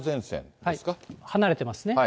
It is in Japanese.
離れてますね。